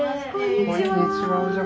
こんにちは。